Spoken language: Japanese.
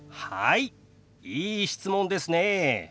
いい質問ですね。